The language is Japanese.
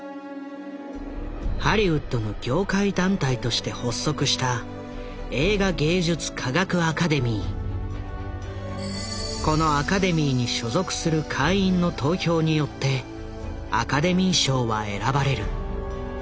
ハリウッドの業界団体として発足したこのアカデミーに所属する会員の投票によってアカデミー賞は選ばれる。